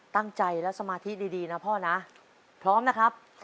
ตั้งใจและสมาธิดีนะพ่อนะพร้อมนะครับ